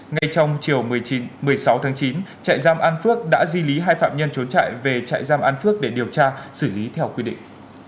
ngay trong chiều một mươi sáu tháng chín trại giam an phước đã di lý hai phạm nhân trốn trại về trại giam an phước để điều tra xử lý theo quy định